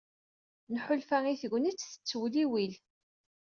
Nḥulfa i tegnit tettewliwil.